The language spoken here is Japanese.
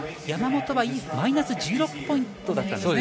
山本はマイナス１６ポイント。